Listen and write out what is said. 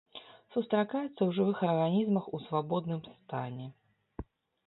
Сустракаецца ў жывых арганізмах у свабодным стане.